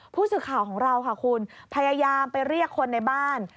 ผู้สื่อข่าวของเราค่ะคุณพยายามไปเรียกคนในบ้าน